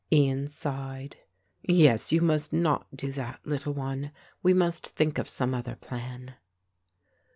Ian sighed: "Yes, you must not do that, little one, we must think of some other plan."